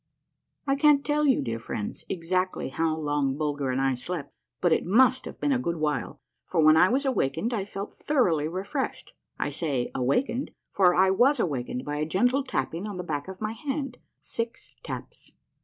I can't tell you, dear friends, exactly how long Bulger and I slept, but it must have been a good while, for when I was awakened I felt thoroughly refreshed. I say awakened, for I was awakened by a gentle tapping on the back of my hand — six taps.